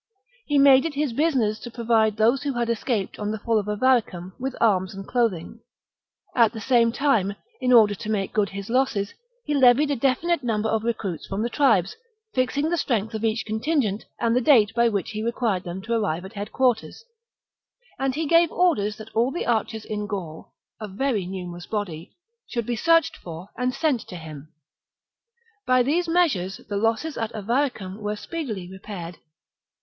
He made it his business to provide those who had escaped on the fall of Avaricum with arms and clothing ; at the same time, in order to make good his losses, he levied a definite number of recruits from the tribes, fixing the strength of each contingent and the date by which he required them to arrive at headquarters ; and he gave orders that all the archers in Gaul — a very numerous body — should be searched for and sent to him. By these measures the losses at Avaricum were speedily repaired.